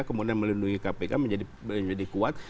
kemudian melindungi kpk menjadi kuat